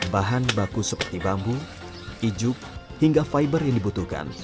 bahan baku seperti bambu ijuk hingga fiber yang dibutuhkan